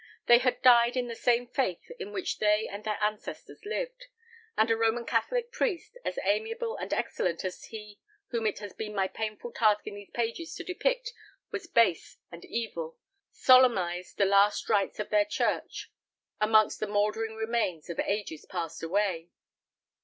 They had died in the same faith in which they and their ancestors lived; and a Roman Catholic priest, as amiable and excellent as he whom it has been my painful task in these pages to depict was base and evil, solemnised the last rites of their church amongst the mouldering remains of ages past away.